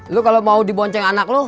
lu kalau mau dibonceng anak lu